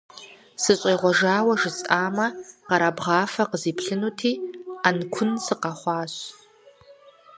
СыщӀегъуэжауэ жесӀэмэ, къэрабгъафэ къызиплъынути, Ӏэнкун сыкъэхъуащ.